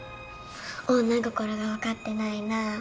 女心が分かってないな。